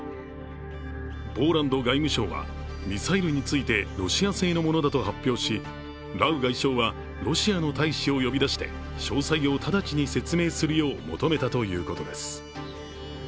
ポーランド外務省は、ミサイルについてロシア製のものだと発表しラウ外相はロシアの大使を呼び出して、詳細を直ちに説明するよう求めたということです。